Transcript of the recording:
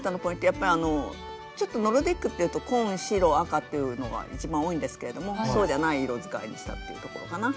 やっぱりちょっとノルディックっていうと紺白赤っていうのが一番多いんですけれどもそうじゃない色使いにしたっていうところかな。